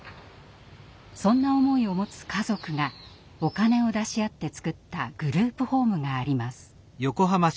そんな思いを持つ家族がお金を出し合ってつくったグループホームがあります。